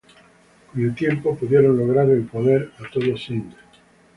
Con el tiempo pudieron lograr el poder a todo Sind.